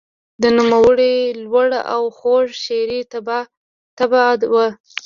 د نوموړي لوړه او خوږه شعري طبعه وه.